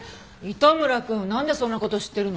糸村くんなんでそんな事知ってるの？